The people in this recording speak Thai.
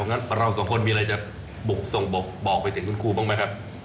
เพราะงั้นว่าเราสองคนมีอะไรจะบกส่งบกบอกไปถึงคุณครูบ้างมั้ยครับ